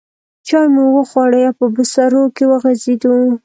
چای مو وخوړې او په بسترو کې وغځېدو.